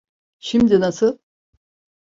Şimdi nasıl?